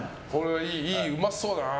いい、うまそうだな。